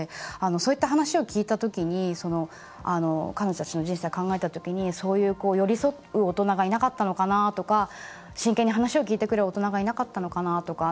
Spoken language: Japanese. そういった話を聞いた時に彼女たちの人生を考えた時にそういう寄り添う大人がいなかったのかなとか真剣に話を聞いてくれる大人がいなかったのかなとか。